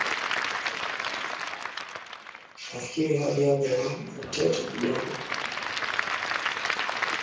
aa mimi nafikiri hadi hali ya libya nitete kidogo